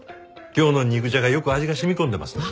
今日の肉じゃがよく味が染み込んでますね。